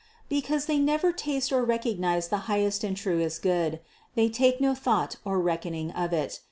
Because they never taste or recognize the highest and truest Good, 530 CITY OF GOD they take no thought or reckoning of It.